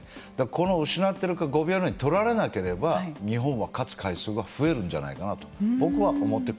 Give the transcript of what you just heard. この失ってる５秒以内に取られなければ日本は勝つ回数が増えるんじゃないかなと僕は思って。